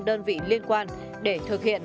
đơn vị liên quan để thực hiện